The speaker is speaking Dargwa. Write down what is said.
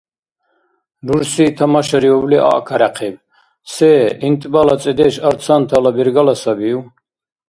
Рурси тамашариубли аъкаряхъиб: «Се? ГӀинтӀбала цӀедеш – арцантала бергала сабив?»